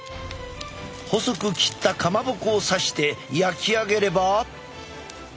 細く切ったかまぼこをさして焼き上げれば。